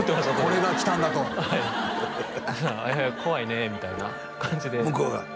これが来たんだとはい「怖いね」みたいな感じで向こうが？